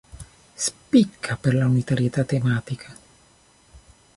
Spicca per la unitarietà tematica.